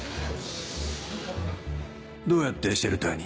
どうやってシェルターに？